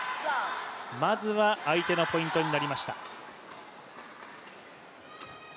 まずは相手のポイントになりました。